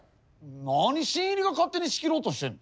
何新入りが勝手に仕切ろうとしてんの？